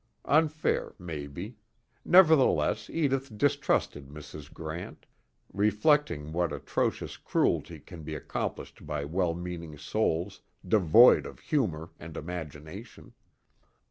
Unfair, maybe; nevertheless Edith distrusted Mrs. Grant, reflecting what atrocious cruelty can be accomplished by well meaning souls devoid of humor and imagination.